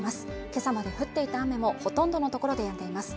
今朝まで降っていた雨もほとんどの所でやんでいます